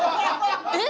えっ？